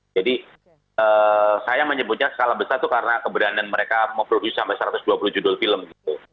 jadi saya menyebutnya skala besar itu karena keberanan mereka memproduksi sampai satu ratus dua puluh judul film gitu